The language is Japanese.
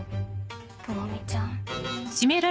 朋美ちゃん。